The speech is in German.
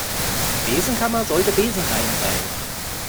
Die Besenkammer sollte besenrein sein.